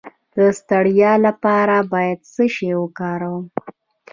د ستړیا لپاره باید څه شی وکاروم؟